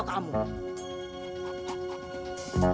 oh ini dia